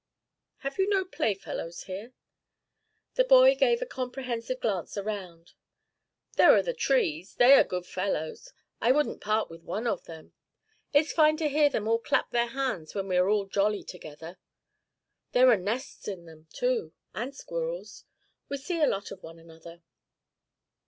'Have you no playfellows here?' The boy gave a comprehensive glance around. 'There are the trees; they are good fellows. I wouldn't part with one of them. It's fine to hear them all clap their hands when we are all jolly together. There are nests in them, too, and squirrels. We see a lot of one another.'